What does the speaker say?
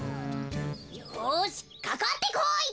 よしかかってこい！